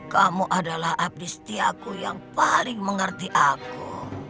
kamu adalah abdistiaku yang paling mengerti aku